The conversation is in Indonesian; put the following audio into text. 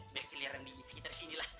berkeliaran di sekitar sini lah